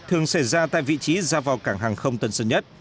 thường xảy ra tại vị trí ra vào cảng hàng không tân sơn nhất